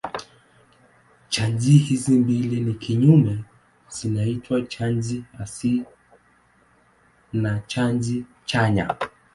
Chaji hizi mbili ni kinyume zinaitwa chaji hasi na chaji chanya.